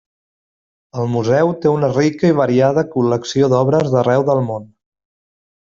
El museu té una rica i variada col·lecció d'obres d'arreu del món.